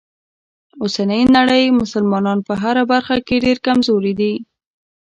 اوسنۍ نړۍ مسلمانان په هره برخه کې ډیره کمزوری دي.